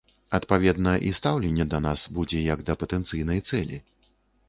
Адпаведна, і стаўленне да нас будзе як да патэнцыйнай цэлі.